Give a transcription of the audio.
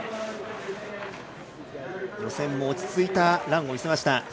予選も落ち着いたランを見せました。